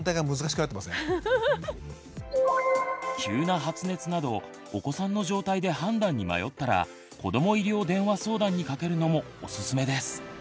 急な発熱などお子さんの状態で判断に迷ったら子ども医療電話相談にかけるのもおすすめです。